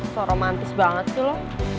so romantis banget sih loh